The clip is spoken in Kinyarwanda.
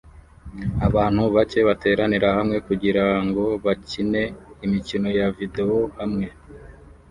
Abantu bake bateranira hamwe kugirango bakine imikino ya videwo hamwe